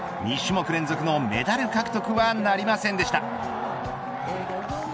２種目連続のメダル獲得はなりませんでした。